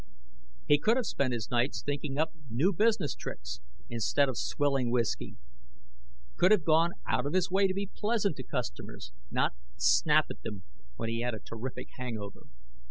He could have spent his nights thinking up new business tricks, instead of swilling whiskey. Could have gone out of his way to be pleasant to customers, not snap at them when he had a terrific hangover.